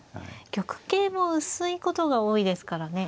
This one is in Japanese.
玉形も薄いことが多いですからね